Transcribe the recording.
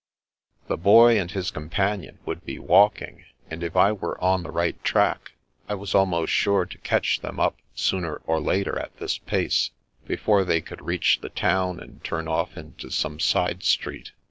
The Boy and his companion would be walking, and, if I were on the right track, I was almost sure to catch them up sooner or later at this pace, before they could reach the town and turn off into some side street.